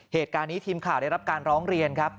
เหตุการณ์นี้ทีมข่าวได้รับการร้องเรียนครับ